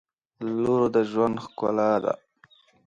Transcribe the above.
• لور د ژوند ښکلا ده.